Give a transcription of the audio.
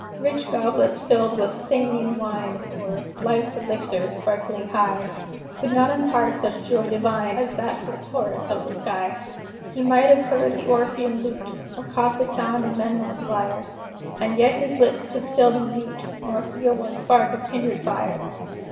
Rich goblets filled with "Samian wine," Or "Life's elixir, sparkling high," Could not impart such joy divine As that full chorus of the sky. He might have heard the Orphean lute, Or caught the sound of Memnon's lyre, And yet his lips could still be mute, Nor feel one spark of kindred fire.